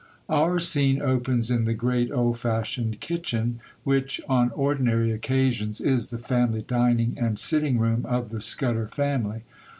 Our scene opens in the great old fashioned kitchen, which, on ordinary occasions, is the family dining and sitting room of the Scudder family.